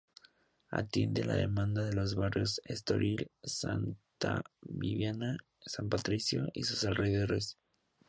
Atiende la demanda de los barrios Estoril, Santa Bibiana, San Patricio y sus alrededores.